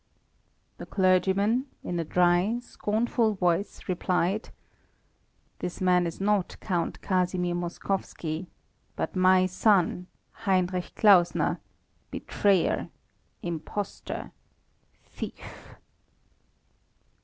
The clergyman, in a dry, scornful voice, replied: "This man is not Count Casimir Moskowski, but my son, Heinrich Klausner, betrayer, impostor, thief."